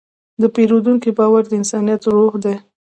د پیرودونکي باور د انسانیت روح دی.